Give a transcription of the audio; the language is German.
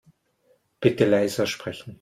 Bitte leiser sprechen.